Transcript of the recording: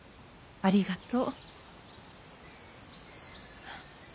ありがとう。